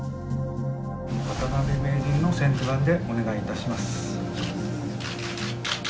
渡辺名人の先手番でお願いいたします。